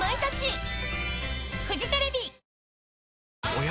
おや？